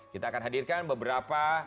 kita akan hadirkan beberapa